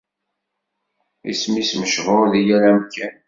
Isem-is mechur deg yal amkan.